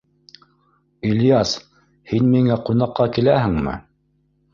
— Ильяс, һин миңә ҡунаҡҡа киләһеңме?